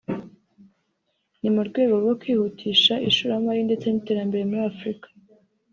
ni mu rwego rwo kwihutisha ishoramari ndetse n’iterambere muri Afurika